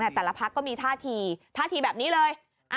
แต่ละพักก็มีท่าทีท่าทีแบบนี้เลย